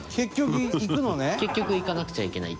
隆貴君：結局行かなくちゃいけない。